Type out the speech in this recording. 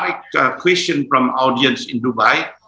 jika ada pertanyaan dari penonton di dubai